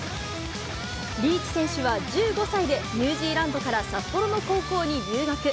リーチ選手は１５歳でニュージーランドから札幌の高校に留学。